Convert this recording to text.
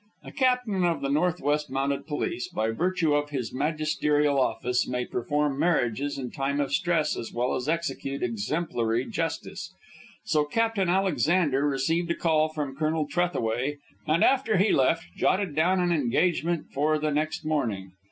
A captain of the North West Mounted Police, by virtue of his magisterial office, may perform marriages in time of stress as well as execute exemplary justice. So Captain Alexander received a call from Colonel Trethaway, and after he left jotted down an engagement for the next morning.